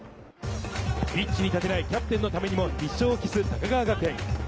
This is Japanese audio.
ピッチに立てないキャプテンのためにも必勝を期す高川学園。